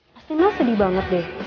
pasti mah sedih banget deh